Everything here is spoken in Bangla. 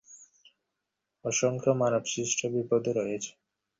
অসংখ্য মানবসৃষ্ট বিপদও রয়েছে।